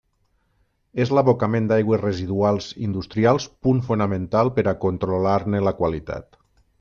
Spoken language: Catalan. És l'abocament d'aigües residuals industrials punt fonamental per a controlar-ne la qualitat.